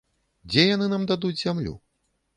Дзе яны нам дадуць зямлю?